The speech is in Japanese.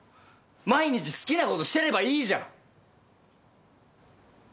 毎日好きなことしてればいいじゃん。